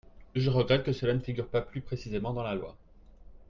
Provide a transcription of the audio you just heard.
Je regrette que cela ne figure pas plus précisément dans la loi.